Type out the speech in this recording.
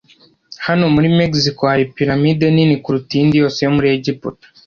Hano muri Mexico hari piramide nini kuruta iyindi yose yo muri Egiputa.